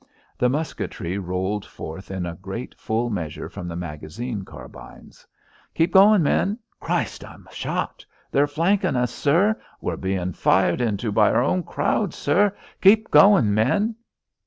The musketry rolled forth in great full measure from the magazine carbines. "Keep goin', men." "Christ, I'm shot!" "They're flankin' us, sir." "We're bein' fired into by our own crowd, sir." "Keep goin', men."